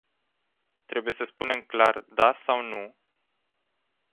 Trebuie să spunem clar "da” sau "nu”.